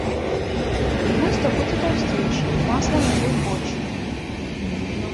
І луста будзе таўсцейшая, масла на ёй больш.